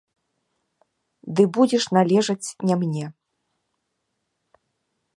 Ды будзеш належаць не мне.